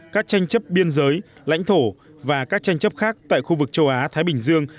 các tranh chấp biên giới lãnh thổ và các tranh chấp khác tại khu vực châu á thái bình dương